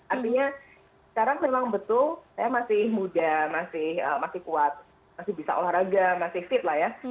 artinya sekarang memang betul saya masih muda masih kuat masih bisa olahraga masih fit lah ya